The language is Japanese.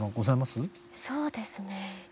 そうですね